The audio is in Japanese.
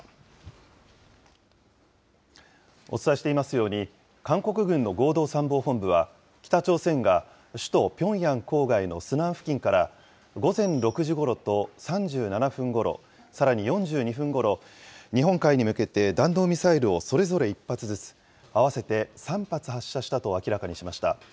お伝えしていますように、韓国軍の合同参謀本部は、北朝鮮が首都ピョンヤン郊外のスナン付近から、午前６時ごろと３７分ごろ、さらに４２分ごろ、日本海に向けて弾道ミサイルをそれぞれ１発ずつ合わせて３発発射したと明らかにしました。